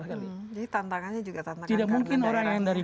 jadi tantangannya juga tantangannya daerahnya tidak mungkin orang yang dari